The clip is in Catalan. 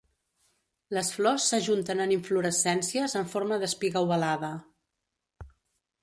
Les flors s'ajunten en inflorescències en forma d'espiga ovalada.